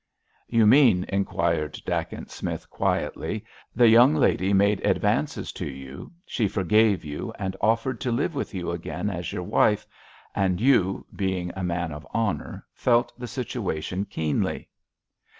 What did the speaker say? "You mean," inquired Dacent Smith, quietly, "the young lady made advances to you, she forgave you, and offered to live with you again as your wife, and you, being a man of honour, felt the situation keenly?